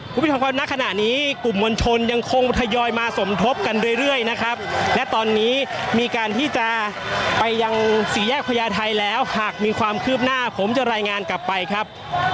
คุณผู้ชมครับณขณะนี้กลุ่มมวลชนยังคงทยอยมาสมทบกันเรื่อยนะครับและตอนนี้มีการที่จะไปยังสี่แยกพญาไทยแล้วหากมีความคืบหน้าผมจะรายงานกลับไปครับ